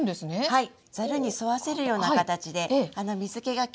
はい。